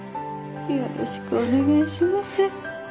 よろしくお願いします。